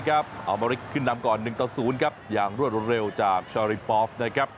อัลมาริกขึ้นดำก่อน๑๐อย่างรวดเร็วจากชอลลี่ปอล์ฟ